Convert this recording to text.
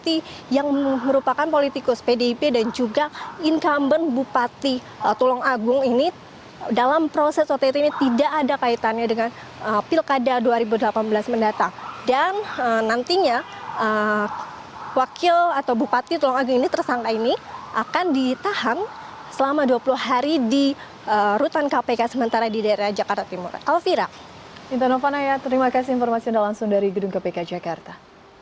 ia sebelumnya menjalankan perjalanan bersama keluarga